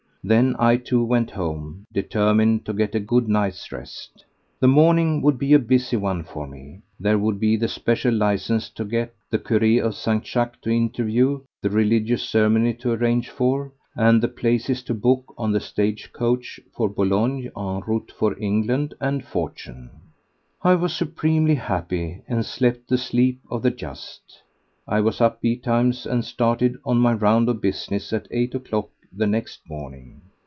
Then I, too, went home, determined to get a good night's rest. The morning would be a busy one for me. There would be the special licence to get, the cure of St. Jacques to interview, the religious ceremony to arrange for, and the places to book on the stagecoach for Boulogne en route for England—and fortune. I was supremely happy and slept the sleep of the just. I was up betimes and started on my round of business at eight o'clock the next morning.